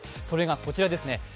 それがこちらですね。